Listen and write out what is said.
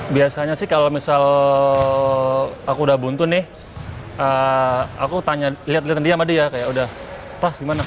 biasanya sih kalau misal aku udah buntu nih aku tanya lihat lihat dia sama dia kayak udah pas gimana